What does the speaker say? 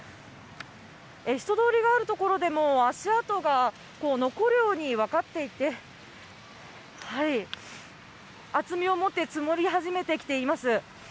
人通りがある所でも、足跡がこう、残るようにわかっていって、厚みを持って積もり始めてきています。